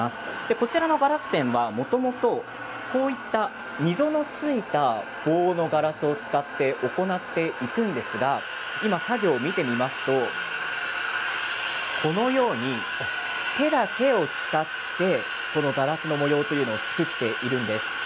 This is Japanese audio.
こちらのガラスペンはもともとこういった水のついた棒のガラスを使って行っていくんですが今、作業を見てみると手だけを使ってガラスの模様というのを作っているんです。